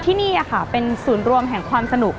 ที่นี่เป็นศูนย์รวมแห่งความสนุก